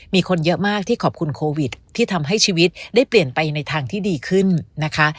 มีคนเยอะมากที่ขอบคุณโควิดที่ทำให้ชีวิตได้เปลี่ยนไปในทางที่ดีขึ้นนะคะ